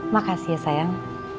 makasih ya sayang